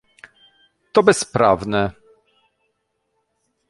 To bezprawne!